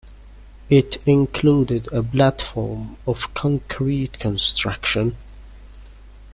It included a platform of concrete construction.